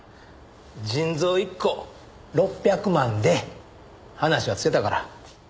腎臓１個６００万で話はつけたから。